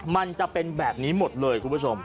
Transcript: มันจะเป็นแบบนี้หมดเลยคุณผู้ชม